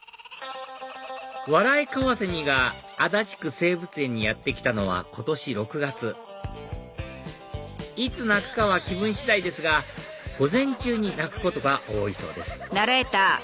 ワライカワセミが足立区生物園にやって来たのは今年６月いつ鳴くかは気分次第ですが午前中に鳴くことが多いそうです